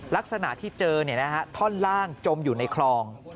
ลักษณะที่เจอท่อนล่างจมอยู่ในคลอง